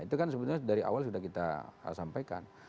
itu kan sebenarnya dari awal sudah kita sampaikan